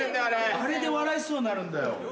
あれで笑いそうになるんだよ。